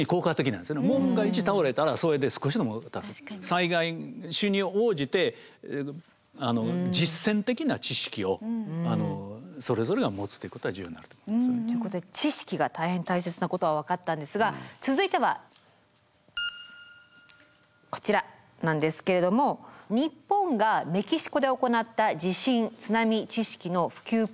災害に応じて実践的な知識をあのそれぞれが持つということは重要になると思うんですよね。ということで知識が大変大切なことは分かったんですが続いてはこちらなんですけれども日本がメキシコで行った地震・津波知識の普及プログラムを見ていきます。